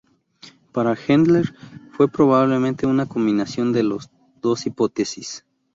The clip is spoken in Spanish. Para Hendler fue probablemente una combinación de las dos hipótesis.